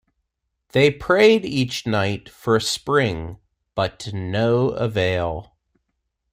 They prayed each night for a spring, but to no avail.